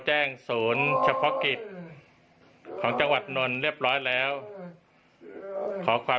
ศูนย์เฉพาะกิจของจังหวัดนนท์เรียบร้อยแล้วขอความ